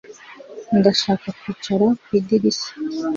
Ndashaka kwicara ku idirishya